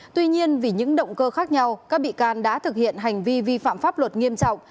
tuy nhiên vì những động cơ khác nhau các bị can đã thực hiện hành vi vi phạm pháp luật nghiêm trọng